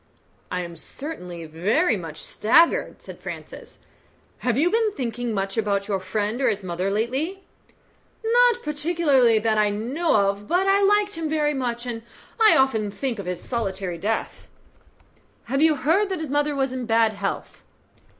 "I am certainly very much staggered," said Francis. "Have you been thinking much about your friend or his mother lately?" "Not particularly that I know of; but I liked him very much, and I often think of his solitary death." "Have you heard that his mother is in bad health?"